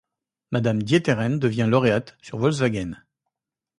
Mme D'Ieteren devint lauréate, sur Volkswagen.